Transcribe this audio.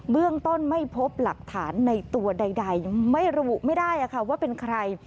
เรื่องต้นไม่พบหลักฐานในตัวใดไม่ระบุไม่ได้ว่าเป็นใคร